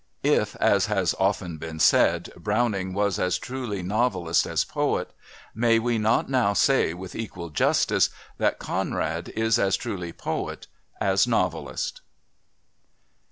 If, as has often been said, Browning was as truly novelist as poet, may we not now say with equal justice that Conrad is as truly poet as novelist?